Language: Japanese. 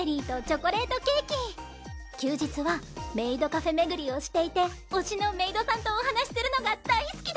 休日はメイドカフェ巡りをしていて推しのメイドさんとお話しするのが大好きです。